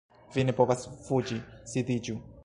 Vi ne povas fuĝi, sidiĝu